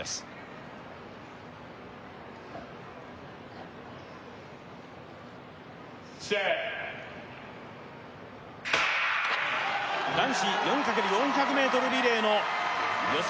Ｓｅｔ男子４×４００ｍリレーの予選